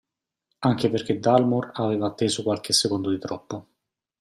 Anche perché Dalmor aveva atteso qualche secondo di troppo.